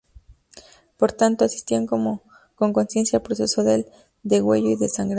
Por tanto, asistían con consciencia al proceso del degüello y desangrado.